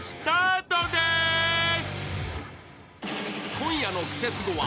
［今夜の『クセスゴ』は］